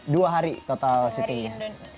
dua hari total syutingnya